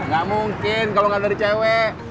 gak mungkin kalau gak ada dari cewek